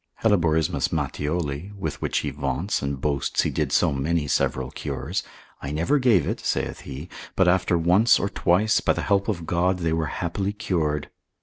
Helleborismus Matthioli, with which he vaunts and boasts he did so many several cures, I never gave it (saith he), but after once or twice, by the help of God, they were happily cured.